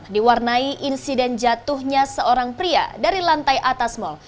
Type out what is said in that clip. diwarnai insiden jatuhnya seorang pria dari lantai atas mal